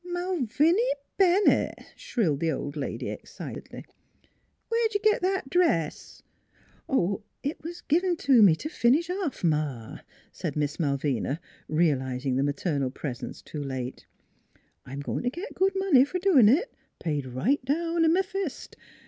"" Malviny Bennett," shrilled the old lady ex citedly, " where 'd you git that dress? "" It was give t' me t' finish off, Ma," said Miss Malvina, realizing the maternal presence too late. " I'm goin' t' git good money f'r doin' it, paid right down in my fist.